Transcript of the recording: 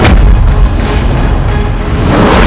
atau tentang kakaknya